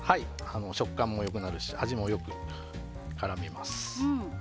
食感も良くなるし味もよく絡みます。